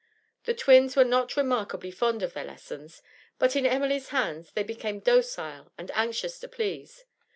The twins were not remarkably fond of their lessons, but in Emily's hands they became docile and anxious to please.